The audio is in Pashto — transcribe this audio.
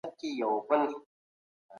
ولسمشر نوی سفیر نه باسي.